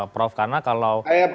prof karena kalau